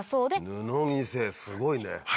布着せすごいね。